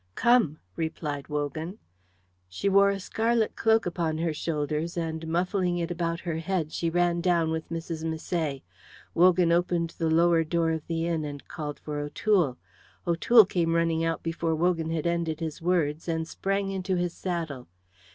"Come!" replied Wogan. She wore a scarlet cloak upon her shoulders, and muffling it about her head she ran down with Mrs. Misset. Wogan opened the lower door of the inn and called for O'Toole. O'Toole came running out before Wogan had ended his words, and sprang into his saddle.